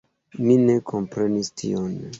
Mi ne komprenis tion.